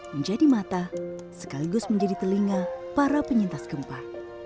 menjadi mata sekaligus menjadi telinga para penyintas gempa